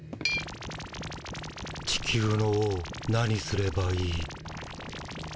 地球の王何すればいい？